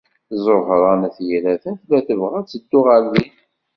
Ẓuhṛa n At Yiraten tella tebɣa ad teddu ɣer din.